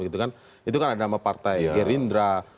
itu kan ada nama partai gerindra